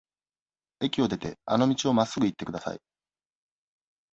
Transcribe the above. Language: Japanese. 駅を出て、あの道をまっすぐ行ってください。